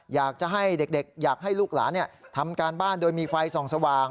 อยากจะให้เด็กอยากให้ลูกหลานทำการบ้านโดยมีไฟส่องสว่าง